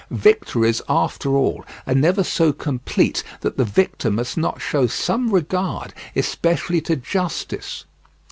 Victories after all are never so complete that the victor must not show some regard, especially to justice.